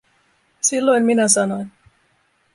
Silloin minä sanoin.